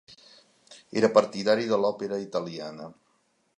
Era partidari de l'òpera italiana.